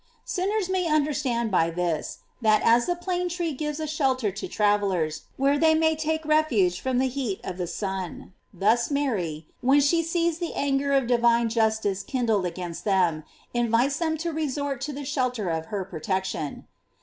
"f Sin ners may understand by this, that as the plane tree gives a shelter to travellers, where they may take refuge from the heat of the sun, thus Mary, when she sees the anger of divine justice kin dled against them, invites them to resort to the shelter of her protection.